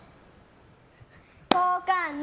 好感度！